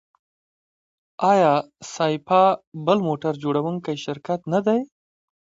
آیا سایپا بل موټر جوړوونکی شرکت نه دی؟